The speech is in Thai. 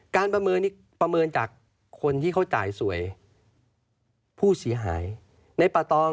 ค่ะอ่ะน้อยในป่าตองเขาพูดได้ดีกว่า